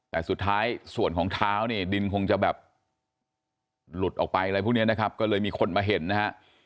แต่สุดท้ายส่วนของเท้าเนี่ยดินคงจะแบบหลุดออกไปอะไรพวกนี้นะครับก็เลยมีคนมาเห็นนะฮะ